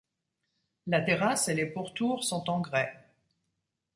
La terrasse et les pourtours sont en grès.